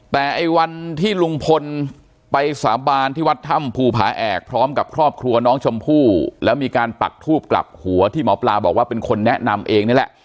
แต่ไอ้วันที่ลุงพลไปสาบานที่วัดถ้ำภูผาแอกพร้อมกับครอบครัวน้องชมพู่แล้วมีการปักทูบกลับหัวที่หมอปลาบอกว่าเป็นคนแนะนำเองนี่แหละ